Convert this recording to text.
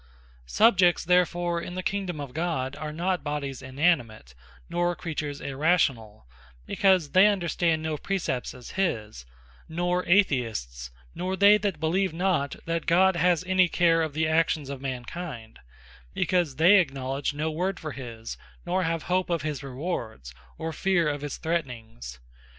Subjects therefore in the Kingdome of God, are not Bodies Inanimate, nor creatures Irrationall; because they understand no Precepts as his: Nor Atheists; nor they that believe not that God has any care of the actions of mankind; because they acknowledge no Word for his, nor have hope of his rewards, or fear of his threatnings.